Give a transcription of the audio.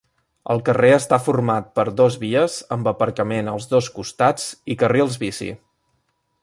El carrer està format per dos vies amb aparcament als dos costats i carrils bici.